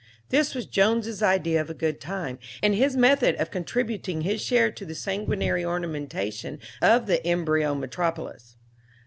This was Jones' idea of a good time, and his method of contributing his share to the sanguinary ornamentation of the embryo metropolis.